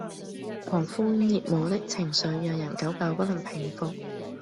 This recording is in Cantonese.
狂呼熱舞的情緒讓人久久不能平伏